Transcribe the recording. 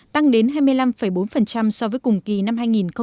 tăng đến hai mươi năm bốn so với cùng kỳ năm hai nghìn một mươi tám